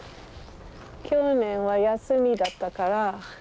去年は休みだったから。